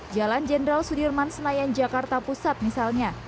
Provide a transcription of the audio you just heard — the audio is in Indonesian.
jalan jenderal sudirman senayan jakarta pusat misalnya